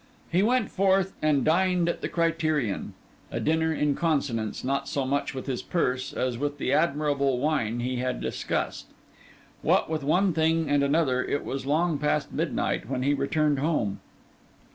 He went forth, and dined in the Criterion: a dinner in consonance, not so much with his purse, as with the admirable wine he had discussed. What with one thing and another, it was long past midnight when he returned home.